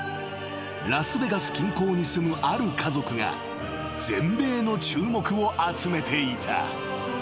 ［ラスベガス近郊に住むある家族が全米の注目を集めていた］